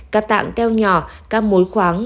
các tạng teo nhỏ các mối khoáng